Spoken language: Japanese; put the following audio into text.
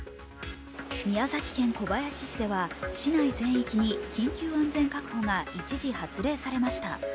宮崎県小林市では市内全域に緊急安全確保が一時、発令されました。